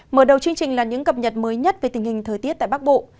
mở đầu chương trình là những cập nhật mới nhất về tình hình thời tiết tại bắc bộ